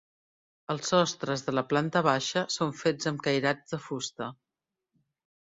Els sostres de la planta baixa són fets amb cairats de fusta.